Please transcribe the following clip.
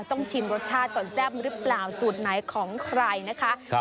ชิมรสชาติก่อนแซ่บหรือเปล่าสูตรไหนของใครนะคะ